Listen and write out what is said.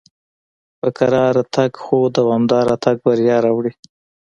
په کراره تګ خو دوامدار تګ بریا راوړي.